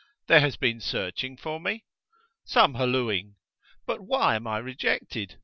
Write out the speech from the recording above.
"There has been searching for me?" "Some hallooing. But why am I rejected?